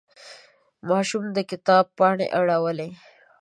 ماشوم د کتاب پاڼې اړولې.